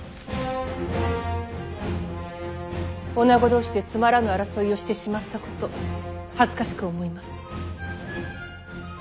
女子同士でつまらぬ争いをしてしまったこと恥ずかしく思います。